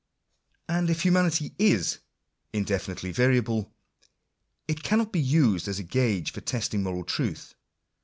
§3 And if humanity is indefinitely variable, it cannot be used as a gauge for testing moral truth.